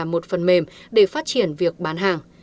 một phần mềm để phát triển việc bán hàng